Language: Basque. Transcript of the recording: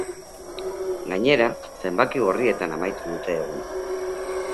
Gainera, zenbaki gorrietan amaitu dute eguna.